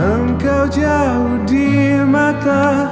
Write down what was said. dan kau jauh di mata